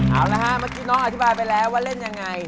เอาละฮะเมื่อกี้น้องอธิบายไปแล้วว่าเล่นยังไง